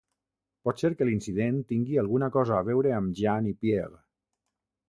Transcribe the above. Pot ser que l'incident tingui alguna cosa a veure amb Jeanne i Pierre.